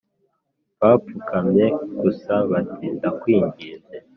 bapfukamye gusa bati 'ndakwinginze